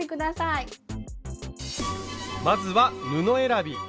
まずは布選び。